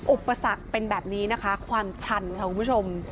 อุปสรรคเป็นแบบนี้นะคะความชันค่ะคุณผู้ชม